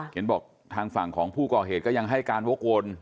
เห็นบอกทางฝั่งของผู้ก่อเหตุก็ยังให้การวกวน